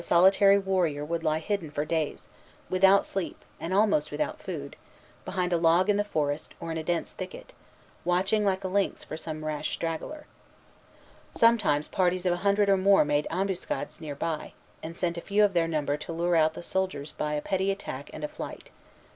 Sometimes a solitary warrior would lie hidden for days, without sleep and almost without food, behind a log in the forest, or in a dense thicket, watching like a lynx for some rash straggler. Sometimes parties of a hundred or more made ambuscades near by, and sent a few of their number to lure out the soldiers by a petty attack and a flight.